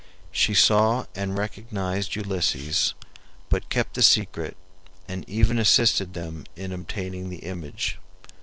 She saw and recognized Ulysses, but kept the secret and even assisted them in obtaining the image.